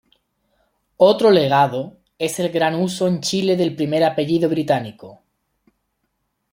Otro legado es el gran uso en Chile del primer apellido británico.